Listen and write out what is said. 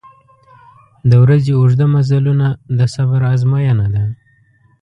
• د ورځې اوږده مزلونه د صبر آزموینه ده.